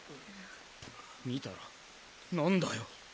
見たらなんだよ！？